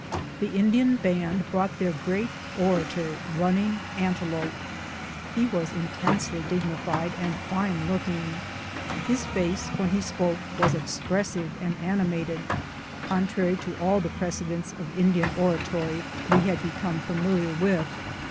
The Indian band brought their great orator Running Antelope. He was intensely dignified and fine looking. His face when he spoke was expressive and animated, contrary to all the precedents of Indian orator}' we had become familiar with.